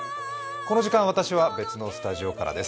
この時間、私は別のスタジオからです。